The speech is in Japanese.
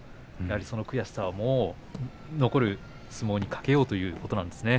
その悔しさを、残る相撲に懸けようということなんですね。